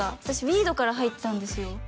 私ＷＥＥＤから入ったんですよ